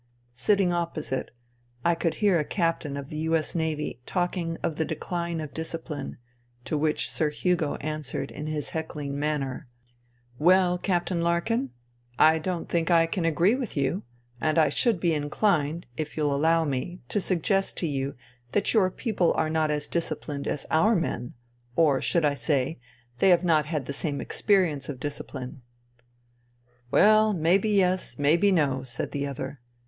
Sitting opposite, I could hear a Captain of the U.S. Navy talking of the decline of discipline ; to which Sir Hugo answered in his heckling manner, " Well, Captain Larkin, I don't think I can agree with you, and I should be inclined, if you'll allow me, to suggest to you that your people are not as disciplined as our men, or, should I say, they have not had the same experience of discipline." " Well, may be yes ; may be no," said the other.